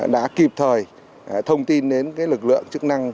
đã kịp thời thông tin đến lực lượng chức năng